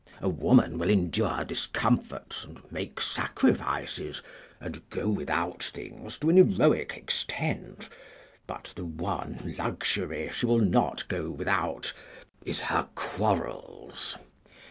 A woman will endure discomforts, and make sacrifices, and go without things to an heroic extent, but the one luxury she will not go without is her quarrels.